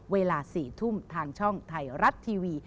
เวลา๔ทุ่มทางช่องไทยรัฐทีวี